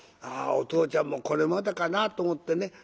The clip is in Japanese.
「ああおとうちゃんもこれまでかな」と思ってね